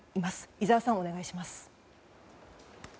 井澤さん、お願いします。